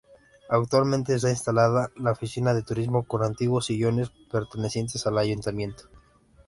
Actualmente está instalada la oficina de Turismo con antiguos sillones pertenecientes al Ayuntamiento.